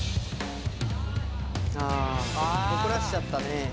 ああ怒らしちゃったね。